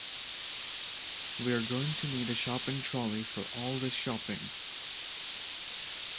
We're going to need a shopping trolley for all this shopping